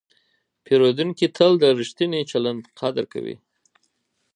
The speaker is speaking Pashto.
پیرودونکی تل د ریښتیني چلند قدر کوي.